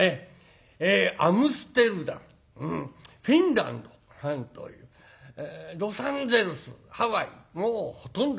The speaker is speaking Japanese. アムステルダムフィンランドロサンゼルスハワイもうほとんど。